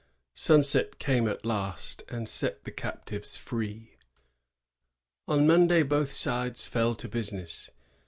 Sunset came at last, and set the captives free. On Monday both sides fell to business.